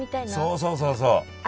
そうそうそうそう。